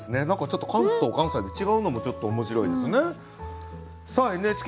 何かちょっと関東関西で違うのもちょっと面白いですね。